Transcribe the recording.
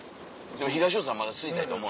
東野さんはまだ吸いたいと思う。